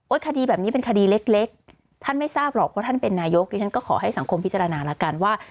คดีแบบนี้เป็นคดีเล็กท่านไม่ทราบหรอกว่าท่านเป็นนายกดิฉันก็ขอให้สังคมพิจารณาแล้วกันว่า